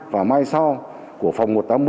và mai sau của phòng một trăm tám mươi